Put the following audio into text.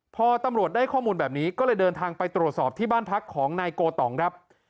พอตำรวจได้ข้อมูลแบบนี้ก็เลยเดินทางไปตรวจสอบที่บ้านพักของนายโกต่องครับ